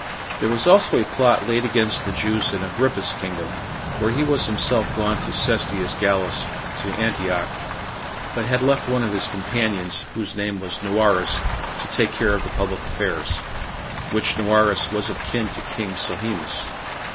There was also a plot laid against the Jews in Agrippa's kingdom; for he was himself gone to Cestius Gallus, to Antioch, but had left one of his companions, whose name was Noarus, to take care of the public affairs; which Noarus was of kin to king Sohemus.